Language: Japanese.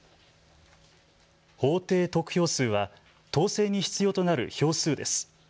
法定得票数は当選に必要となる票数です。